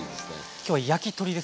今日は焼き鳥ですもんね。